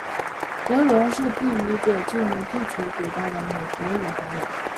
格伦是第一个进入地球轨道的美国宇航员。